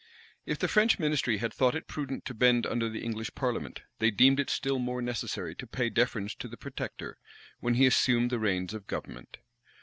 If the French ministry had thought it prudent to bend under the English parliament, they deemed it still more necessary to pay deference to the protector, when he assumed the reins of government.